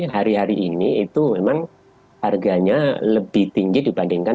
hari hari ini itu memang harganya lebih tinggi dibandingkan